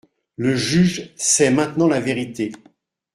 Le juge sait maintenant la vérité.